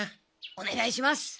おねがいします。